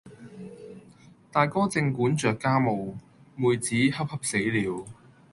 大哥正管着家務，妹子恰恰死了，